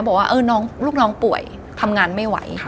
บอกว่าลูกน้องป่วยทำงานไม่ไหว